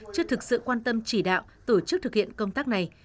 chưa thực sự quan tâm chỉ đạo tổ chức thực hiện công tác này